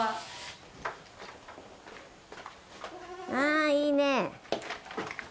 ああいいね。